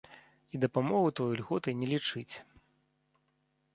І дапамогу тую льготай не лічыць.